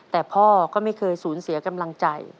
แต่พ่อก็ไม่เคยสูญเสียกำลังใจ